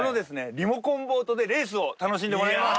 リモコンボートでレースを楽しんでもらいます。